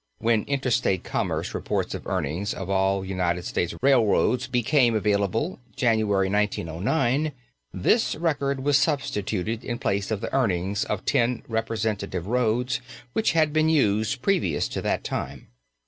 (When Interstate Commerce reports of earnings of all United States railroads became available, January, 1909, this record was substituted in place of the earnings of ten representative roads which had been used previous to that time.